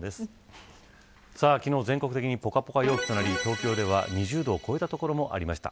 昨日は全国的にぽかぽか陽気となり東京では２０度を超えた所もありました。